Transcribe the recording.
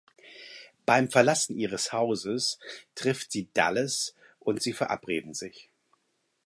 Beim Verlassen ihres Hauses trifft sie Dallas und sie verabreden sich.